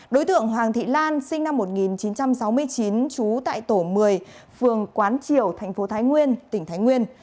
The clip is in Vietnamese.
đối tượng hoàng thị lan sinh năm một nghìn chín trăm sáu mươi chín trú tại tổ một mươi phường quán triều thành phố thái nguyên tỉnh thái nguyên